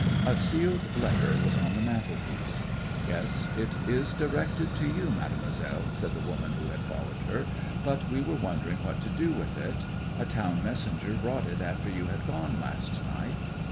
'A sealed letter was on the mantelpiece. "Yes, it is directed to you, Mademoiselle," said the woman who had followed her. "But we were wondering what to do with it. A town messenger brought it after you had gone last night."